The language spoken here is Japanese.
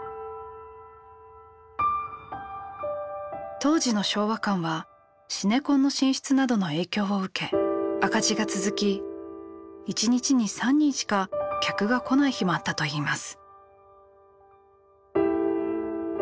当時の昭和館はシネコンの進出などの影響を受け赤字が続き１日に３人しか客が来ない日もあったといいます。